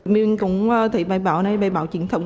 mình cũng thấy bài báo này bài báo truyền thống